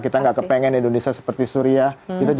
kita nggak kepengen indonesia seperti suriah